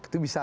itu bisa satu